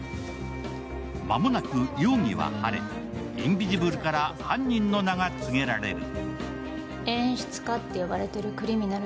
間もなく容疑は晴れ、インビジブルから犯人の名が告げられる。